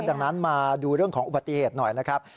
ดังนั้นมาดูเรื่องของอุบัติเหตุหน่อยนะครับ